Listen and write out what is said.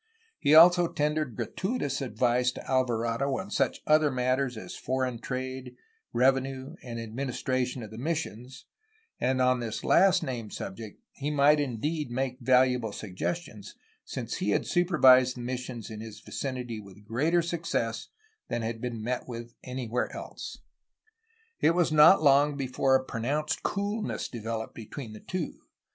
He also ten dered gratuitous advice to Alvarado on such other matters as foreign trade, revenue, and administration of the mis sions,— and on this last named subject he might indeed make valuable suggestions, since he had supervised the missions in his vicinity with greater success than had been met with anywhere else. It was not long before a pro nounced coolness developed beteen the two.